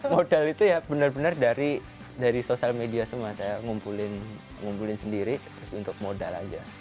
modal itu ya benar benar dari sosial media semua saya ngumpulin sendiri terus untuk modal aja